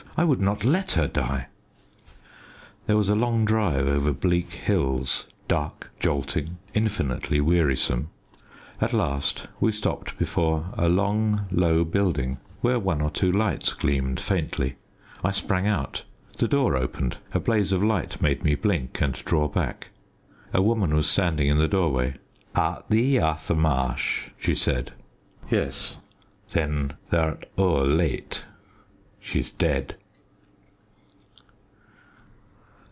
I would not let her die. There was a long drive over bleak hills. Dark, jolting, infinitely wearisome. At last we stopped before a long, low building, where one or two lights gleamed faintly. I sprang out. The door opened. A blaze of light made me blink and draw back. A woman was standing in the doorway. "Art thee Arthur Marsh?" she said. "Yes." "Then, th'art ower late. She's dead."